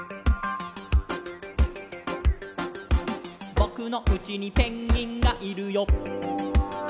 「ぼくのうちにペンギンがいるよ」